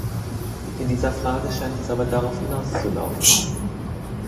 In dieser Frage scheint es aber darauf hinauszulaufen.